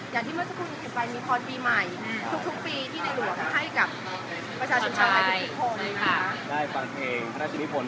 อย่างที่เมื่อสักครู่นี้จะไปมีคอนต์ปีใหม่ทุกปีที่ในหลวงให้กับประชาชนชาติทุกคน